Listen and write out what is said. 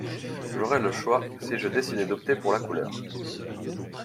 J’aurais le choix si je décidais d’opter pour la couleur.